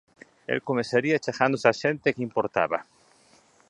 El comezaría achegándose á xente que importaba.